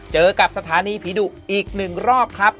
เจอกับสถานีผีดุอีกหนึ่งรอบครับ